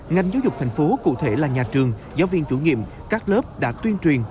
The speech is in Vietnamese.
ngành giáo dục thành phố cụ thể là nhà trường giáo viên chủ nhiệm các lớp đã tuyên truyền